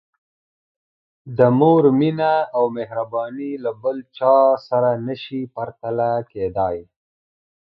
د مور مینه او مهرباني له بل چا سره نه شي پرتله کېدای.